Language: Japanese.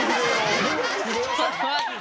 ちょっとまって！